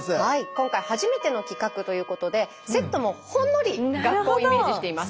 今回初めての企画ということでセットもほんのり学校をイメージしています。